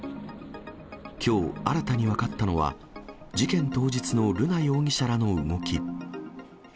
きょう、新たに分かったのは、事件当日の瑠奈容疑者らの動き。